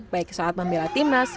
baik saat membela timnas